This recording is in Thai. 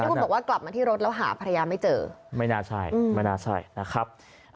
คุณบอกว่ากลับมาที่รถแล้วหาภรรยาไม่เจอไม่น่าใช่ไม่น่าใช่นะครับ